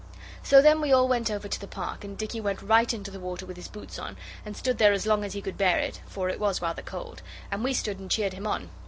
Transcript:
So then we all went over to the Park, and Dicky went right into the water with his boots on, and stood there as long as he could bear it, for it was rather cold, and we stood and cheered him on.